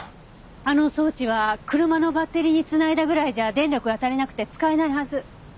あの装置は車のバッテリーに繋いだぐらいじゃ電力が足りなくて使えないはず。